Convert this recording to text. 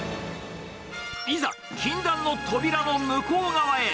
いざ、禁断のトビラの向こう側へ。